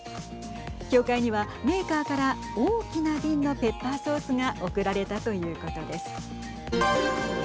教会にはメーカーから大きな瓶のペッパーソースが贈られたということです。